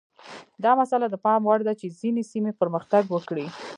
دا مسئله د پام وړ ده چې ځینې سیمې پرمختګ وکړي.